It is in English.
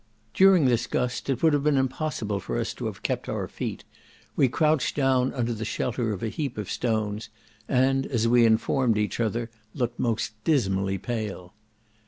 During this gust, it would have been impossible for us to have kept our feet; we crouched down under the shelter of a heap of stones, and, as we informed each other, looked most dismally pale.